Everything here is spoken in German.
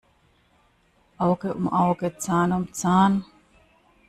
Auge um Auge, Zahn um Zahn.